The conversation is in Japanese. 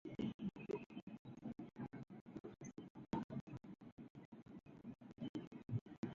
斜め七十七度の並びで泣く泣くいななくナナハン七台難なく並べて長眺め